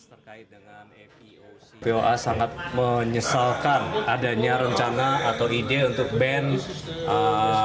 epoa sangat menyesalkan adanya rencana atau ide untuk menolak